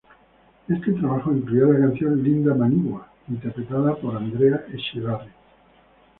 Este trabajo incluía la canción "Linda Manigua", interpretada por Andrea Echeverri.